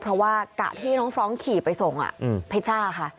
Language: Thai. เพราะว่ากะที่น้องฟรองก์ขี่ไปส่งเพชจ้าค่ะ